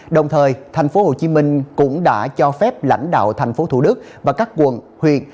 đồng thời tp hcm cũng đã cho phép lãnh đạo tp thủ đức và các quận huyện